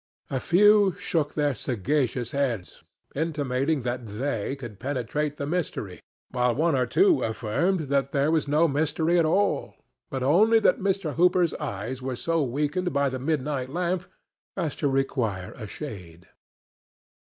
A few shook their sagacious heads, intimating that they could penetrate the mystery, while one or two affirmed that there was no mystery at all, but only that Mr. Hooper's eyes were so weakened by the midnight lamp as to require a shade.